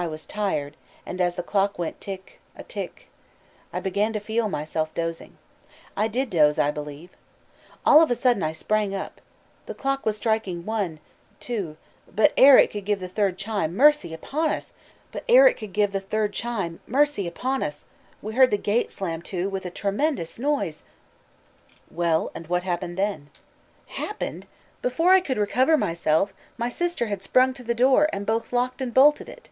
I was tired, and as the clock went tick a tick, I began to feel myself dozing. I did doze, I believe. All of a sudden I sprang up. The clock was striking one, two, but ere it could give the third chime, mercy upon us! we heard the gate slam to with a tremendous noise...." "Well, and what happened then?" "Happened! before I could recover myself, my sister had sprung to the door, and both locked and bolted it.